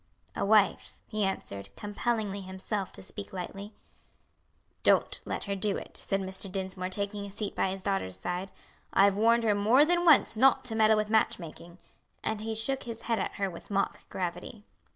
"A wife," he answered, compelling himself to speak lightly. "Don't let her do it," said Mr. Dinsmore, taking a seat by his daughter's side; "I've warned her more than once not to meddle with match making." And he shook his head at her with mock gravity.